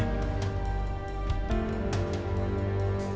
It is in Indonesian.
gak ada apa apa